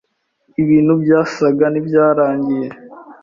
Ibintu byasaga n’ibyarangiye